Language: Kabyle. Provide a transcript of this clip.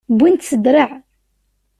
Wwin-t s ddreε.